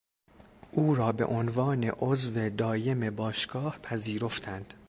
او را به عنوان عضو دایم باشگاه پذیرفتند.